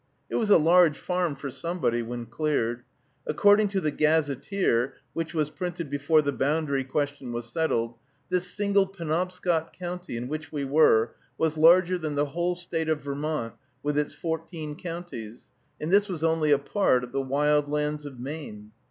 It was a large farm for somebody, when cleared. According to the Gazetteer, which was printed before the boundary question was settled, this single Penobscot County, in which we were, was larger than the whole State of Vermont, with its fourteen counties; and this was only a part of the wild lands of Maine.